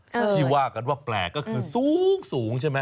ที่ว่ากันว่าแปลกก็คือสูงใช่ไหม